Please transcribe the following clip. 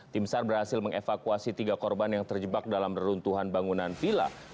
tim sar berhasil mengevakuasi tiga korban yang terjebak dalam reruntuhan bangunan villa